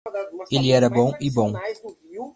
Ele era bom e bom.